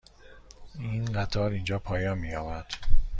این قطار اینجا پایان می یابد.